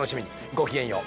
ごきげんよう。